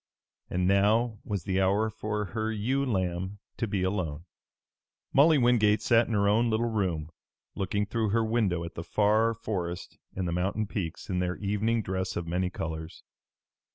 And now was the hour for her ewe lamb to be alone. Molly Wingate sat in her own little room, looking through her window at the far forest and the mountain peaks in their evening dress of many colors.